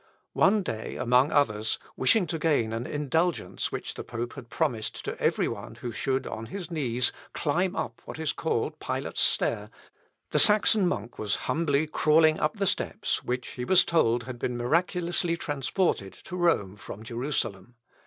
One day, among others, wishing to gain an indulgence which the pope had promised to every one who should on his knees climb up what is called Pilate's Stair, the Saxon monk was humbly crawling up the steps, which he was told had been miraculously transported to Rome from Jerusalem.